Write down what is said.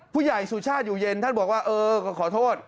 ผู้ใหญ่สุชาติอยู่เย็นท่านบอกว่าเออก็ขอโทษ